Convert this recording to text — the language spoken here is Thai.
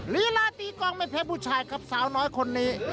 ลีลาตีกองไม่แพ้ผู้ชายครับสาวน้อยคนนี้